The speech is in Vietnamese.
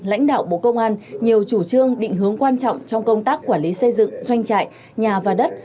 lãnh đạo bộ công an nhiều chủ trương định hướng quan trọng trong công tác quản lý xây dựng doanh trại nhà và đất